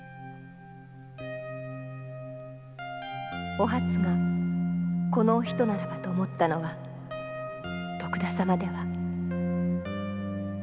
おはつがこのお人ならばと思ったのが徳田様では